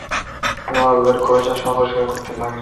রুমাল বের করে চশমার কাঁচ পরিষ্কার করতে লাগলেন।